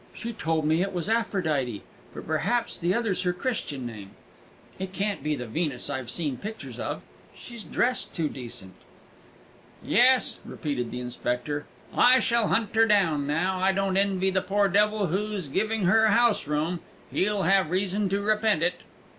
"She told me it was Aphrodite. But perhaps the other's her Christian name. It can't be the Venus I've seen pictures of she's dressed too decent." "Yes," repeated the inspector, "I shall hunt her down now. I don't envy the poor devil who's giving her house room; he'll have reason to repent it!"